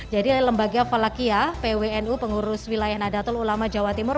jadi lembaga falakia pwnu pengurus wilayah nadatul ulama jawa timur